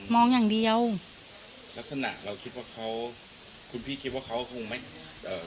มองอย่างเดียวลักษณะเราคิดว่าเขาคุณพี่คิดว่าเขาคงไม่เอ่อ